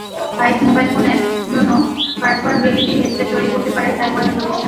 Vibe mobile ফোনের জন্য virtual reality headset তৈরি করতে পারে তাইওয়ানের প্রতিষ্ঠানটি।